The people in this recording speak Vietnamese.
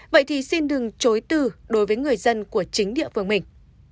vậy thì xin đừng chối từ đối với người dân của chính địa phương mình